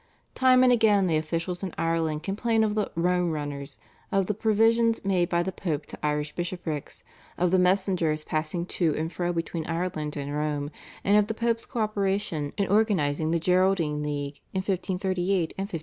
Time and again the officials in Ireland complain of the "Rome runners," of the provisions made by the Pope to Irish bishoprics, of the messengers passing to and fro between Ireland and Rome, and of the Pope's co operation in organising the Geraldine League in 1538 and 1539.